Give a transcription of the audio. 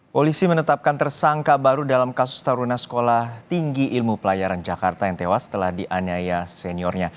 polisi menetapkan tersangka baru dalam kasus taruna sekolah tinggi ilmu pelayaran jakarta yang tewas setelah dianiaya seniornya